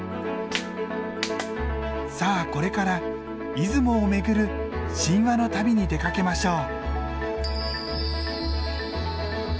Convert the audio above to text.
さあこれから出雲を巡る神話の旅に出かけましょう。